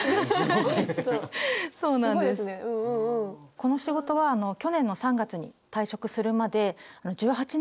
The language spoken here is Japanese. この仕事は去年の３月に退職するまで１８年間勤めていました。